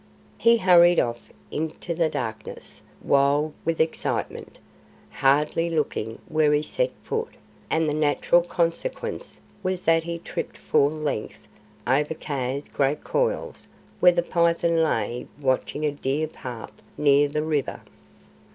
He hurried off into the darkness, wild with excitement, hardly looking where he set foot, and the natural consequence was that he tripped full length over Kaa's great coils where the python lay watching a deer path near the river.